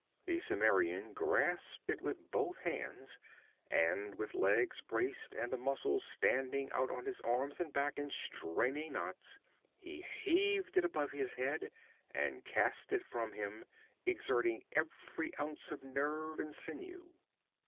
The Cimmerian grasped it with both hands, and with legs braced and the muscles standing out on his arms and back in straining knots, he heaved it above his head and cast it from him, exerting every ounce of nerve and sinew.